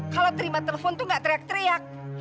kalau terima telepon tuh gak teriak teriak